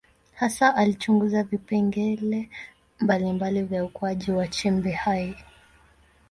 Hasa alichunguza vipengele mbalimbali vya ukuaji wa chembe hai.